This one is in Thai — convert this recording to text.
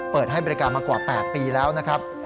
เปิดให้บริการมากว่า๘ปีแล้วนะครับ